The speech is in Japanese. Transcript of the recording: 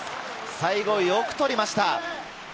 最後、よく取りました。